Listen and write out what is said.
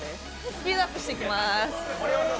スピードアップしていきます。